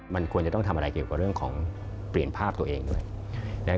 มันควรจะต้องทำอะไรเกี่ยวกับเรื่องของเปลี่ยนภาพตัวเองด้วย